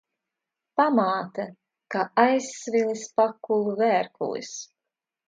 Pamāte kā aizsvilis pakulu vērkulis.